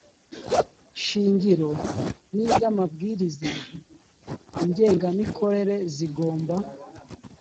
shingiro n iz amabwiriza ngengamikorere zigomba